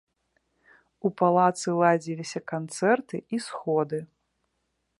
У палацы ладзіліся канцэрты і сходы.